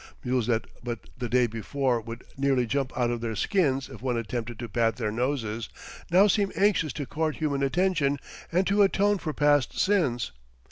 Mules that but the day before would nearly jump out of their skins if one attempted to pat their noses, now seem anxious to court human attention and to atone for past sins.